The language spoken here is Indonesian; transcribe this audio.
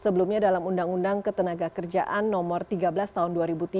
sebelumnya dalam undang undang ketenaga kerjaan nomor tiga belas tahun dua ribu tiga